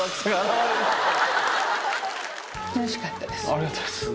ありがとうございます